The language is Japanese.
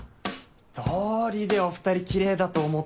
どうりでお２人キレイだと思った。